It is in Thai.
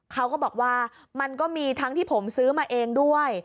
เขาก็บอกว่ามันก็มีทั้งที่ผมซื้อมาเองด้วย